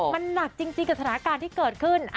มันหนักจริงกับสถานการณ์ที่เกิดขึ้น